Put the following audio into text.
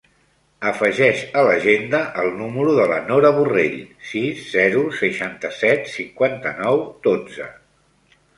Afegeix a l'agenda el número de la Nora Borrell: sis, zero, seixanta-set, cinquanta-nou, dotze.